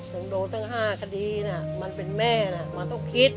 ถึงโด่งตั้งห้าคดีน่ะมันเป็นแม่น่ะมันต้องคิด